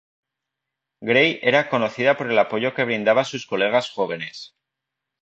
Gray era conocida por el apoyo que brindaba a sus colegas jóvenes.